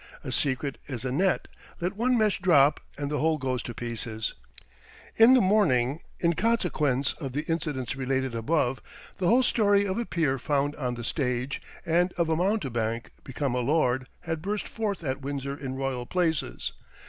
A secret is a net; let one mesh drop, and the whole goes to pieces. In the morning, in consequence of the incidents related above, the whole story of a peer found on the stage, and of a mountebank become a lord, had burst forth at Windsor in Royal places.